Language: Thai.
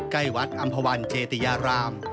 ใกล้วัดอำภาวันเจติยาราม